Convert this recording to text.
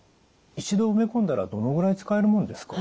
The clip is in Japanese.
一度植え込んだらどのぐらい使えるものですか？